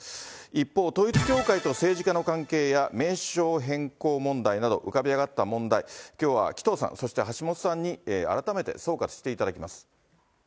一方、統一教会と政治家の関係や名称変更問題など、浮かび上がった問題、きょうは紀藤さん、そして橋下さんに改めて総括していただきます。